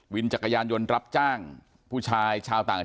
จักรยานยนต์รับจ้างผู้ชายชาวต่าง